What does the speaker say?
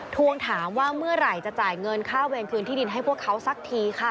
ทวงถามว่าเมื่อไหร่จะจ่ายเงินค่าเวรคืนที่ดินให้พวกเขาสักทีค่ะ